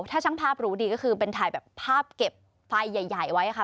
ถ้าช่างภาพรู้ดีก็คือเป็นถ่ายแบบภาพเก็บไฟใหญ่ไว้ค่ะ